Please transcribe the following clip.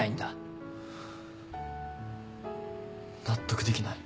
納得できない。